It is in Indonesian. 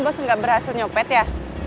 barusan bos gak berhasil nyopet ya